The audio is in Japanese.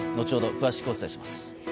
詳しくお伝えします。